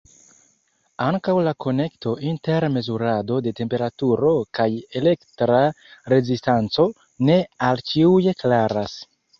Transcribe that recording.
Ankaŭ la konekto inter mezurado de temperaturo kaj elektra rezistanco ne al ĉiuj klaras.